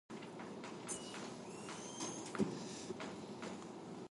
He scored three tries in this match.